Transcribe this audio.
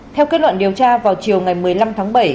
theo kết luận điều tra vào chiều ngày một mươi năm tháng bảy